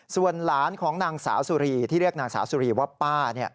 ส่วนหลานของนางสาวสุรีที่เรียกนางสาวสุรีว่าป้า